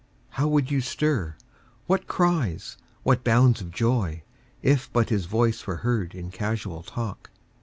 How would you stir, what cries, what bounds of joy. If but his voice were heard in casual talk.